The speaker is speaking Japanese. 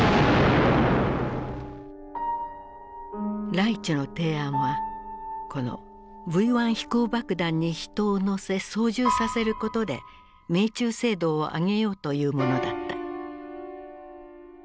ライチュの提案はこのＶ１飛行爆弾に人を乗せ操縦させることで命中精度を上げようというものだった。